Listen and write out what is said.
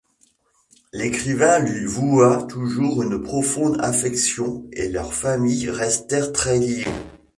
L'écrivain lui voua toujours une profonde affection, et leurs familles restèrent très liées.